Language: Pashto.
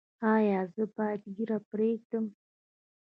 ایا زه باید ږیره پریږدم؟